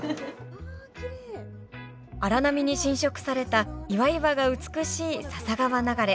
荒波に浸食された岩々が美しい笹川流れ。